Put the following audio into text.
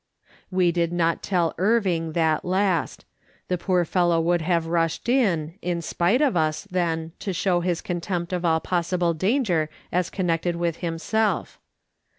We did not tell Irving that last ; the poor fellow would have rushed in, in spite of us, then, to show his contempt of all possible danger as connected with himself.